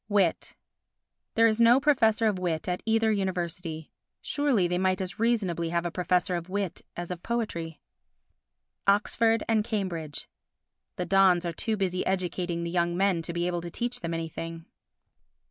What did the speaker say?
Wit There is no Professor of Wit at either University. Surely they might as reasonably have a professor of wit as of poetry. Oxford and Cambridge The dons are too busy educating the young men to be able to teach them anything.